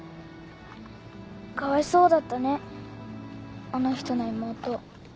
かわいそうだったねあの人の妹。